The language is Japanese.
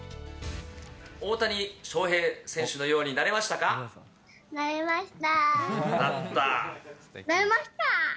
大谷翔平選手のようになれまなれました。